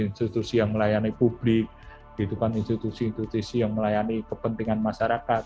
institusi yang melayani publik di depan institusi institusi yang melayani kepentingan masyarakat